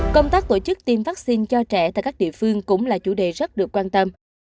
công tác tổ chức tiêm vaccine cho trẻ tại các địa phương cũng là chủ đề rất được quan tâm